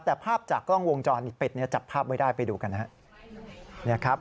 แต่ภาพจากกล้องวงจรปิดจับภาพไม่ได้ไปดูกันนะครับ